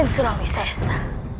raden surawisah esa